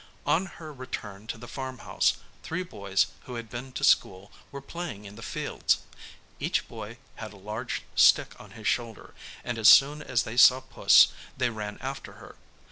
On her return to the farm house, three boys who had been to school, were playing in the fields. Each boy had a large stick on his shoulder, and as soon as they saw Puss, they ran after her.